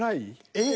えっ？